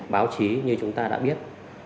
báo chí như chúng ta đã biết